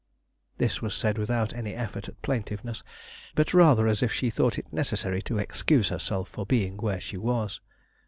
This was said without any effort at plaintiveness, but rather as if she thought it necessary to excuse herself for being where she was.